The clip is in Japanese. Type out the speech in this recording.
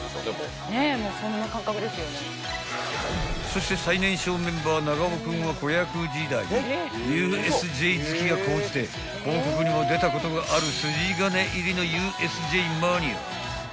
［そして最年少メンバー長尾君は子役時代ＵＳＪ好きが高じて広告にも出たことがある］